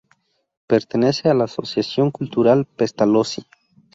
Pertenece a la Asociación Cultural Pestalozzi.